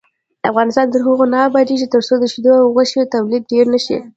افغانستان تر هغو نه ابادیږي، ترڅو د شیدو او غوښې تولید ډیر نشي.